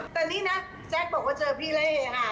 แต่นี่นะแจ๊คบอกว่าเจอพี่เล่ค่ะ